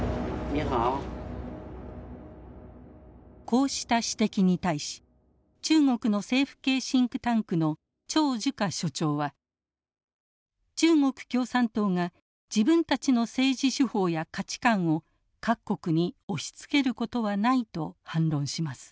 こうした指摘に対し中国の政府系シンクタンクの張樹華所長は中国共産党が自分たちの政治手法や価値観を各国に押しつけることはないと反論します。